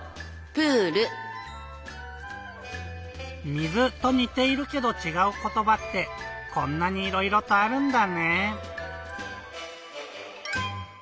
「水」とにているけどちがうことばってこんなにいろいろとあるんだね。